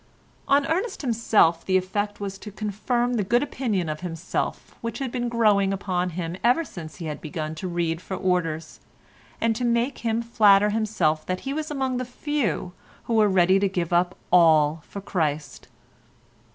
On Ernest himself the effect was to confirm the good opinion of himself which had been growing upon him ever since he had begun to read for orders, and to make him flatter himself that he was among the few who were ready to give up all for Christ.